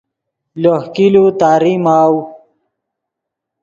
لوہ کِلو تاری ماؤ